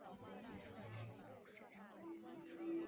两年后重返有线新闻任高级记者。